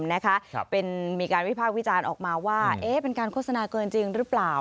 มีการวิพากษ์วิจารณ์ออกมาว่าเป็นการโฆษณาเกินจริงหรือเปล่า